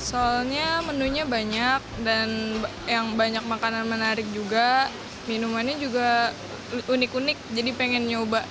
soalnya menunya banyak dan yang banyak makanan menarik juga minumannya juga unik unik jadi pengen nyoba